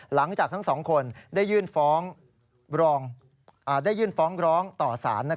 หลังจากทั้งสองคนได้ยื่นฟ้องร้องต่อสาร